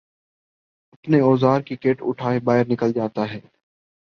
اپنے اوزار کی کٹ اٹھائے باہر نکل جاتا ہے